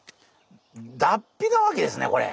脱皮なわけですねこれ。